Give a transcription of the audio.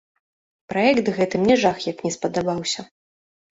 Праект гэты мне жах як не спадабаўся.